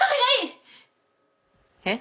えっ？